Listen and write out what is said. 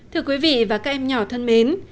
thưa quý vị và các em nhỏ thân mến